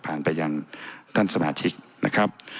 ไปยังท่านสมาชิกนะครับ